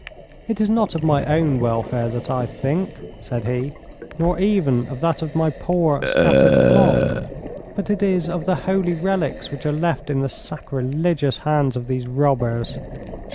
It is not of my own welfare that I think,' said he, 'nor even of that of my poor, scattered flock. But it is of the holy relics which are left in the sacrilegious hands of these robbers.'